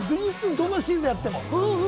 どのシーズンにやっても。